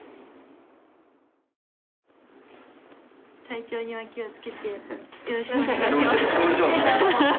体調には気をつけてよろしくお願いします。